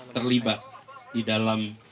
terlibat di dalam